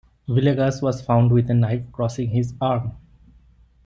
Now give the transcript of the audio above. Villegas was found with a knife crossing his arm.